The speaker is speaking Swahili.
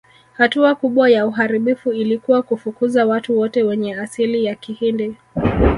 Hatua kubwa ya uharibifu ilikuwa kufukuza watu wote wenye asili ya Kihindi